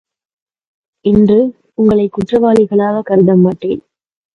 இன்று உங்களைக் குற்றவாளிகளாகக் கருத மாட்டேன்.